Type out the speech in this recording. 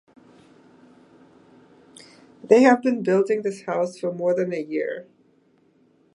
They have been building this house for more than a year.